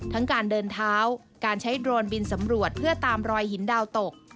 การเดินเท้าการใช้โดรนบินสำรวจเพื่อตามรอยหินดาวตก